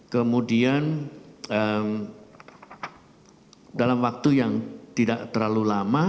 kemudian dalam waktu yang tidak terlalu lama